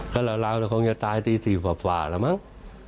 ก็ละละคงจะตายตี๔ฝ่าแล้วมั้ง